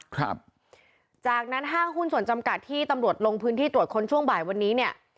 ครับจากนั้นห้างหุ้นส่วนจำกัดที่ตำรวจลงพื้นที่ตรวจค้นช่วงบ่ายวันนี้เนี่ย